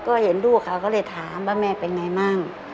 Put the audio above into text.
ก็เห็นลูกเขาก็เลยถามว่าแม่เป็นไงมั่ง